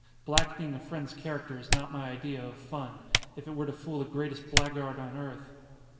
Blackening a friend's character is not my idea of fun, if it were to fool the greatest blackguard on earth."